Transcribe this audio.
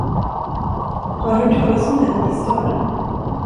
Har hört talas om den i staden.